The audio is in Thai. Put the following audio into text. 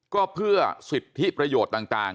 ก็เพื่อสิทธิประโยชน์ต่าง